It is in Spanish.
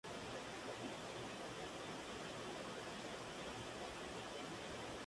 Fue la residencia de los príncipes-obispos.